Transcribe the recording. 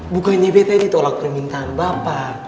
bukannya bete ditolak permintaan bapak